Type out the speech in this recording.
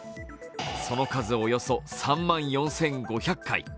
その数、およそ３万４５００回。